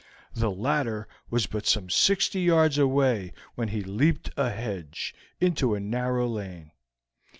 The latter was but some sixty yards away when he leaped a hedge into a narrow lane.